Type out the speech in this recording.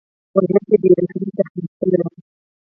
وضعیت په بې رحمۍ تحمیل شوی.